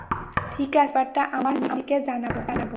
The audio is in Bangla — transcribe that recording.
ঠিক আছে, এই ব্যাপারটা আমরা মিচিকে জানাব।